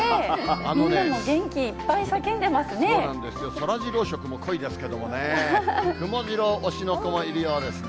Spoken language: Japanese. みんなも元気いっぱい叫んでそうなんですよ、そらジロー色も濃いですけどね、くもジロー推しの子もいるようですね。